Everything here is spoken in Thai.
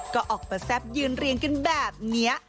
ก็ออกมาแซ่บยืนเรียงกันแบบนี้